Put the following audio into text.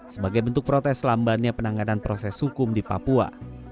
sebagai bentuk protes lambannya penanganan proses hukum di papua